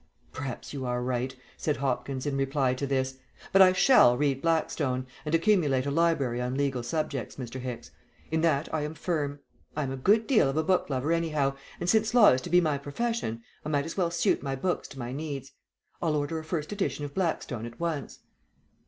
'" "Perhaps you are right," said Hopkins, in reply to this. "But I shall read Blackstone, and accumulate a library on legal subjects, Mr. Hicks. In that I am firm. I am a good deal of a book lover anyhow, and since law is to be my profession I might as well suit my books to my needs. I'll order a first edition of Blackstone at once."